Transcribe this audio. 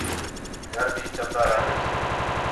گھر بھی چَلدا رَہ ویسے